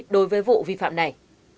đối với vụ vi phạm này